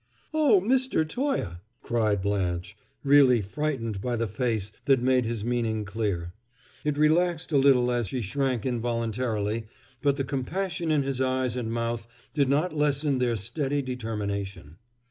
"Oh, Mr. Toye!" cried Blanche, really frightened by the face that made his meaning clear. It relaxed a little as she shrank involuntarily, but the compassion in his eyes and mouth did not lessen their steady determination.